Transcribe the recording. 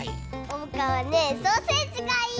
おうかはねソーセージがいい！